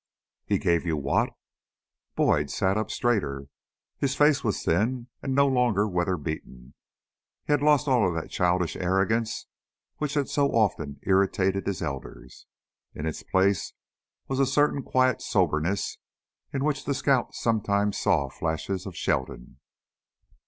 "He gave you what?" Boyd sat up straighter. His face was thin and no longer weather beaten, and he'd lost all of that childish arrogance which had so often irritated his elders. In its place was a certain quiet soberness in which the scout sometimes saw flashes of Sheldon.